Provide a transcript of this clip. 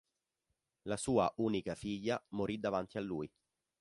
La sua unica figlia, morì davanti a lui.